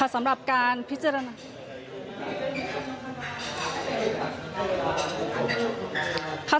สำหรับการพิจารณา